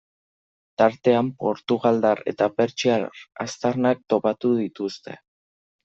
Tartean portugaldar eta pertsiar aztarnak topatu dituzte.